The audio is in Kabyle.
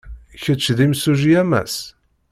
Kečč d imsujji a Mass?